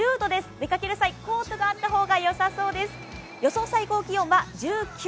出かける際、コートがあった方がよさそうです。